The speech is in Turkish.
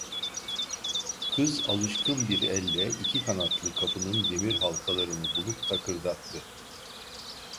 Kız alışkın bir elle iki kanatlı kapının demir halkalarını bulup takırdattı.